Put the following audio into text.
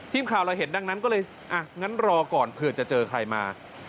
ทีมข่าวเราเห็นดังนั้นก็เลยอ่ะงั้นรอก่อนเผื่อจะเจอใครมา